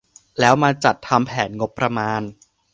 แล้วมาจัดทำแผนงบประมาณ